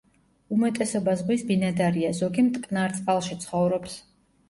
უმეტესობა ზღვის ბინადარია, ზოგი მტკნარ წყალში ცხოვრობს.